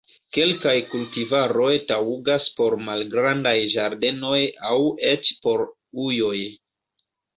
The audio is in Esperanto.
Kelkaj kultivaroj taŭgas por malgrandaj ĝardenoj aŭ eĉ por ujoj.